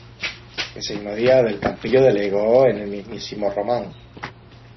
Ese mismo día, Del Campillo delegó en el mismísimo Román.